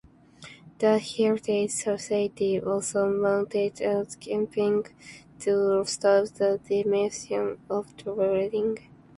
The Heritage Society also mounted a campaign to stop the demolition of the building.